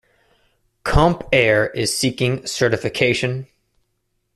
Comp Air is seeking certification.